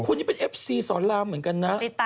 คนนี้เป็นเอฟซีสอนรามเหมือนกันนะ